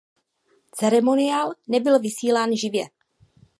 Ceremoniál nebyl vysílán živě.